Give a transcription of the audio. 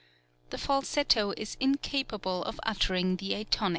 The falsetto is incapable of uttering the atonies.